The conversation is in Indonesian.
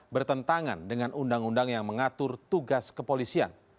bertentangan dengan undang undang yang mengatur tugas kepolisian